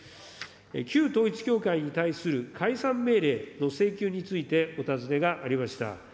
旧統一教会に対する解散命令の請求についてお尋ねがありました。